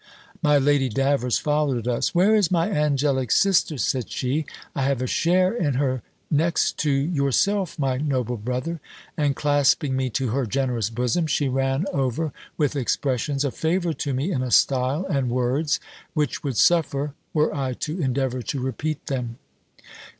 My Lady Davers followed us: "Where is my angelic sister?" said she. "I have a share in her next to yourself, my noble brother." And clasping me to her generous bosom, she ran over with expressions of favour to me, in a style and words, which would suffer, were I to endeavour to repeat them.